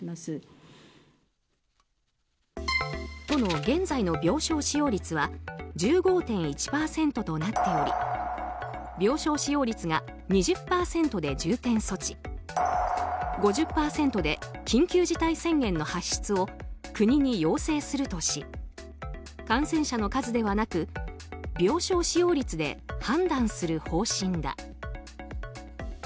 都の現在の病床使用率は１５．１％となっており病床使用率が２０％で重点措置５０％で緊急事態宣言の発出を国に要請するとし感染者の数ではなく病床使用率で判断する方針だ。